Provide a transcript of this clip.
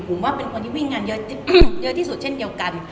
ผมว่าเป็นคนที่วิ่งงานเยอะที่สุดเช่นเดียวกัน